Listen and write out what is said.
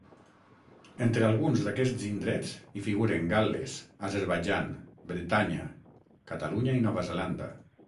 Entre alguns d'aquests indrets hi figuren Gal·les, Azerbaidjan, Bretanya, Catalunya i Nova Zelanda.